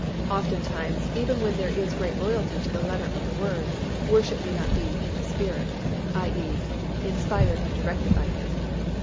Oftentimes even when there is great loyalty to the letter of the Word, worship may not be "in the Spirit," i. e., inspired and directed by Him.